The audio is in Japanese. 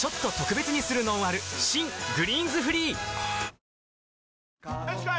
新「グリーンズフリー」よしこい！